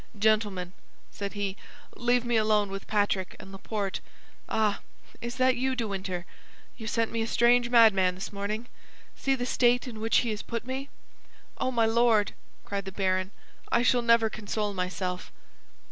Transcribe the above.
"Gentlemen," said he, "leave me alone with Patrick and Laporte—ah, is that you, De Winter? You sent me a strange madman this morning! See the state in which he has put me." "Oh, my Lord!" cried the baron, "I shall never console myself."